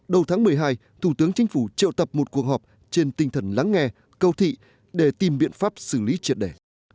đầu tháng một mươi hai thủ tướng chính phủ triệu tập một cuộc họp trên tinh thần lắng nghe câu thị để tìm biện pháp xử lý triệt đề